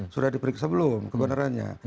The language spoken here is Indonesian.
sudah diperiksa belum kebenarannya